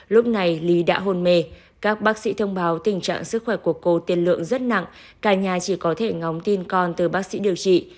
lúc này lý đã hôn mê các bác sĩ thông báo tình trạng sức khỏe của cô tiền lượng rất nặng cả nhà chỉ có thể ngóng tin con từ bác sĩ điều trị